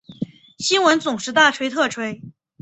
新闻总是大吹特吹